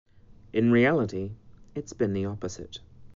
In reality, it's been the opposite.